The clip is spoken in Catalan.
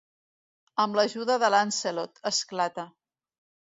Amb l'ajuda de Lancelot, esclata.